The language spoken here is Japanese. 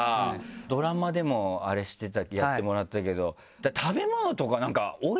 ドラマでもあれしてたやってもらったけど。